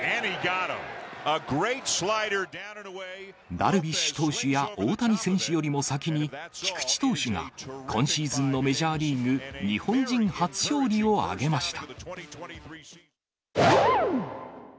ダルビッシュ投手や、大谷選手よりも先に、菊池投手が、今シーズンのメジャーリーグ、日本人初勝利を挙げました。